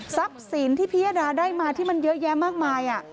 สินที่พิยดาได้มาที่มันเยอะแยะมากมาย